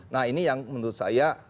nah ini yang menurut saya